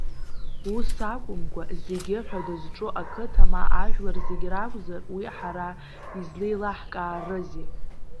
Ус акәымкәа, зегьы ҳәа дызҿу ақыҭа, ма ажәлар зегь ракәзар, уи ҳара излеилаҳкаарызеи?